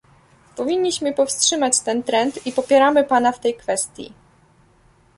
Powinniśmy powstrzymać ten trend - i popieramy pana w tej kwestii